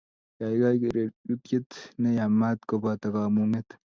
Kaikai kererutyet ne yaamat koboto kamung'et.